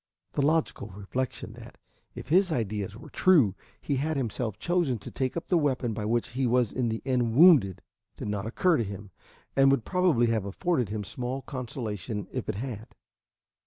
The logical reflection that, if his ideas were true, he had himself chosen to take up the weapon by which he was in the end wounded, did not occur to him, and would probably have afforded him small consolation if it had.